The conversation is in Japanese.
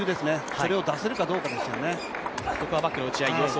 それを出せるかどうかです。